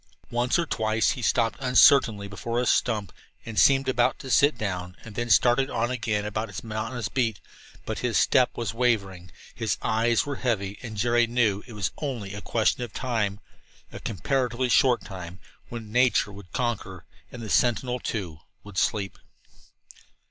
Once or twice he stopped uncertainly before a stump and seemed about to sit down, then started on again around his monotonous beat. But his step was wavering, his eyes were heavy, and Jerry knew it was only a question of time a comparatively short time when nature would conquer, and the sentinel, too, would sleep.